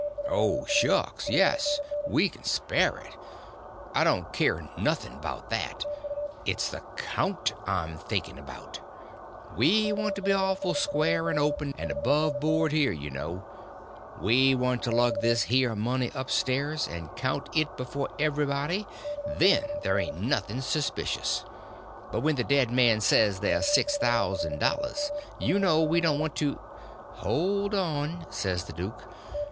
"Oh, shucks, yes, we can spare it. I don't k'yer noth'n 'bout that—it's the count I'm thinkin' about. We want to be awful square and open and above board here, you know. We want to lug this h yer money up stairs and count it before everybody—then ther' ain't noth'n suspicious. But when the dead man says ther's six thous'n dollars, you know, we don't want to—" "Hold on," says the duke.